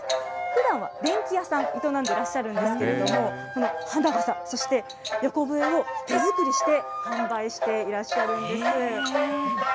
ふだんは電器屋さん、営んでらっしゃるんですけれども、この花笠、そして横笛を手作りして販売していらっしゃるんです。